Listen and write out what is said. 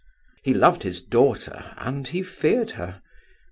He loved his daughter and he feared her.